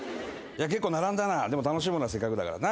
結構並んだなでも楽しもうなせっかくだからな。